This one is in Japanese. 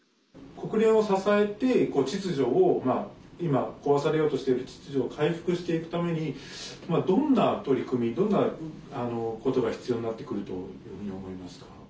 国連を支えて今、壊されようとしている秩序を回復していくためにどんな取り組みどんなことが必要になってくるというふうに思いますか？